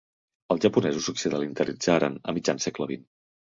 Els japonesos s'occidentalitzaren a mitjan segle vint.